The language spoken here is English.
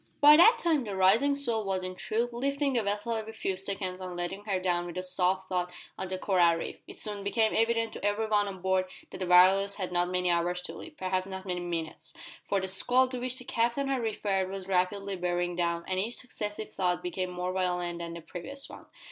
By that time the rising swell was in truth lifting the vessel every few seconds and letting her down with a soft thud on the coral reef. It soon became evident to every one on board that the Walrus had not many hours to live perhaps not many minutes for the squall to which the Captain had referred was rapidly bearing down, and each successive thud became more violent than the previous one.